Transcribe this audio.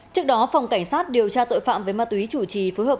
trước đó phòng cảnh sát điều tra tội phạm về ma túy chủ trì phối hợp